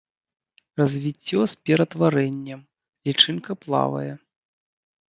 Развіццё з ператварэннем, лічынка плавае.